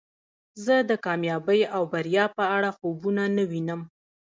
زه د کامیابی او بریا په اړه خوبونه نه وینم